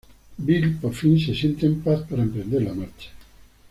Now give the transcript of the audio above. Bill por fin se siente en paz para emprender la marcha.